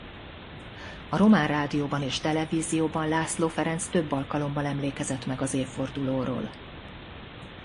A román rádióban és televízióban László Ferenc több alkalommal emlékezett meg az évfordulóról.